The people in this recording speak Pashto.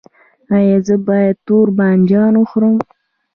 ایا زه باید تور بانجان وخورم؟